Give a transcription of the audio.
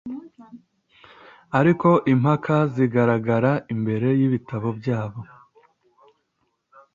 Ariko impaka zigaragara imbere yibitabo byabo